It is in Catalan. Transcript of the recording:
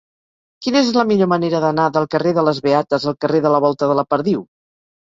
Quina és la millor manera d'anar del carrer de les Beates al carrer de la Volta de la Perdiu?